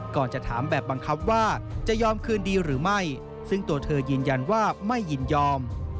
ก่อนจะถามแบบบังคับว่าจะยอมคืนดีหรือไม่ซึ่งตัวเธอยืนยันว่าไม่ยินยอม